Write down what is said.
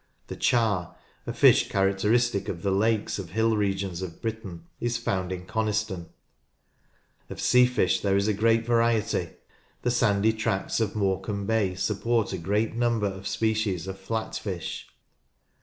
The char, a fish characteristic of the lakes of hill regions of Britain, is found in Coniston. Of sea fish there is a great variety. The sandy tracts of Morecambe Bay support a great number of various species of flat fish.